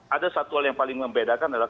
ada satu hal yang paling membedakan adalah